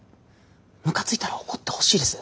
ムカついたら怒ってほしいです。